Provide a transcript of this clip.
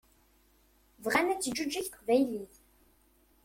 Bɣan ad teǧǧuǧeg teqbaylit.